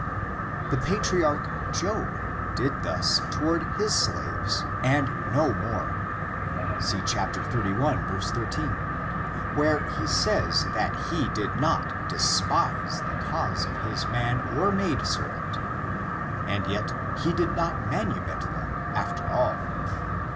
The patriarch Job did thus toward his slaves, and no more, see chapter xxxi, 13, where he says, that he did not '' despise the cause of his man or maid serv ant," and yet he did not manumit them, after all.